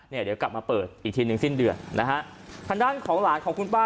เดี๋ยวกลับมาเปิดอีกทีหนึ่งสิ้นเดือนนะฮะทางด้านของหลานของคุณป้า